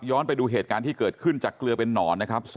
ไปดูเหตุการณ์ที่เกิดขึ้นจากเกลือเป็นนอนนะครับ